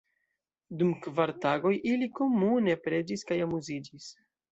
Dum kvar tagoj ili komune preĝis kaj amuziĝis.